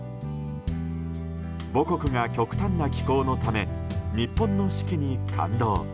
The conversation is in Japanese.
母国が極端な気候のため日本の四季に感動。